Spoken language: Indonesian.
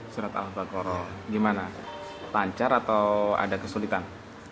surat al baqarah gimana lancar atau ada kesulitan